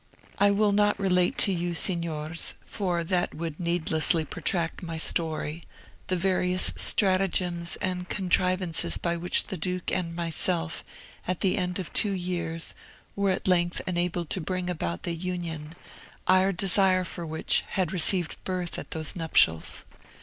"I will not relate to you, Signors (for that would needlessly protract my story), the various stratagems and contrivances by which the duke and myself, at the end of two years, were at length enabled to bring about that union, our desire for which had received birth at those nuptials.